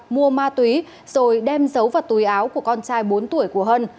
mua ma túy rồi đem dấu vào túi áo của con trai bốn tuổi của hân